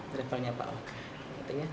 drivernya pak wakapolres